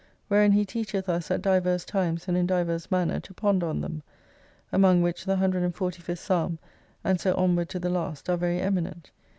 Wherein he teacheth us at divers times and in divers manner to ponder on them. Among which the 145th psalm (and so onward to the last) are very eminent.